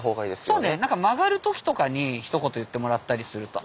そうね曲がる時とかにひと言言ってもらったりすると。